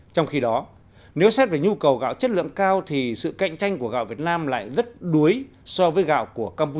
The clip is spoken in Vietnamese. trong khi đó nếu xét về nhu cầu gạo chất lượng cao thì sự cạnh tranh của gạo việt nam lại rất đuối so với gạo của campuchia